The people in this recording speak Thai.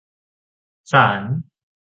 ศาล